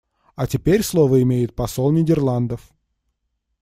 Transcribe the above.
А теперь слово имеет посол Нидерландов.